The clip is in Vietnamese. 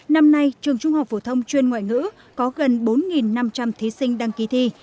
năm nay trường trung học phổ thông chuyên ngoại ngữ có gần bốn năm trăm linh thí sinh đăng ký thi